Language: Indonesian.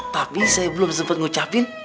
tapi saya belum sempat ngucapin